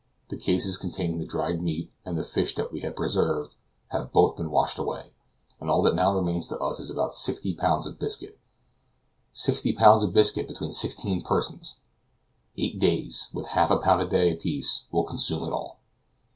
The cases containing the dried meat, and the fish that we had preserved, have both been washed away, and all that now remains to us is about sixty pounds of biscuit. Sixty pounds of biscuit between sixteen persons! Eight days, with half a pound a day apiece, will consume it all.